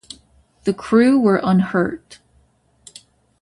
The crew were unhurt.